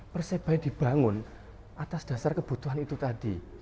persebaya dibangun atas dasar kebutuhan itu tadi